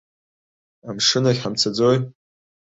Амшын ахь ҳамцаӡои!